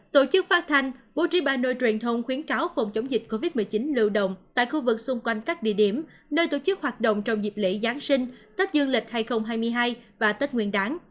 tổ chức phát thanh bố trí ba nơi truyền thông khuyến cáo phòng chống dịch covid một mươi chín lưu động tại khu vực xung quanh các địa điểm nơi tổ chức hoạt động trong dịp lễ giáng sinh tết dương lịch hai nghìn hai mươi hai và tết nguyên đáng